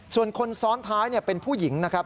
ส่วนคนซ้อนท้ายเป็นผู้หญิงนะครับ